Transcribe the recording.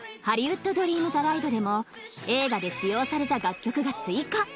ハリウッド・ドリーム・ザ・ライドでも映画で使用された楽曲が追加。